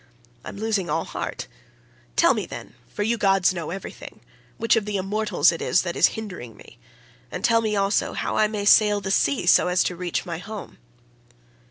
I am losing all heart; tell me, then, for you gods know everything, which of the immortals it is that is hindering me, and tell me also how I may sail the sea so as to reach my home?